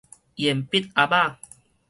鉛筆盒仔